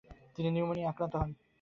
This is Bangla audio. তিনি নিউমোনিয়ায় আক্রান্ত হন।